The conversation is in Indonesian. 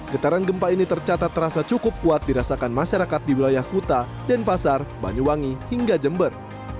getaran gempa ini tercatat terasa cukup kuat dirasakan masyarakat di wilayah kuta denpasar banyuwangi hingga jember